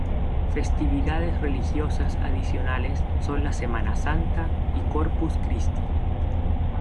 Festividades religiosas adicionales son la Semana Santa y Corpus Christi.